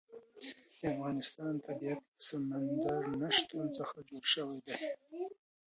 د افغانستان طبیعت له سمندر نه شتون څخه جوړ شوی دی.